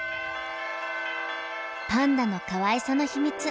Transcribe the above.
パンダのかわいさの秘密